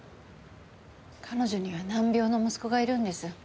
彼女には難病の息子がいるんです。